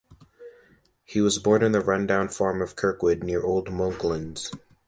He was born in the run-down farm of Kirkwood, near Old Monklands.